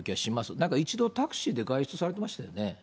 なんか一度タクシーで外出されてましたよね。